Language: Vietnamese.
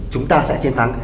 chúng ta sẽ chiến thắng